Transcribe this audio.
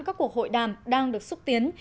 các cuộc hội đàm đang được xúc tiến